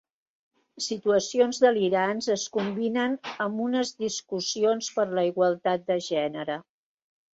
Situacions delirants es combinen amb unes discussions per la igualtat de gènere.